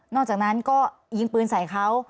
อกจากนั้นก็ยิงปืนใส่เขา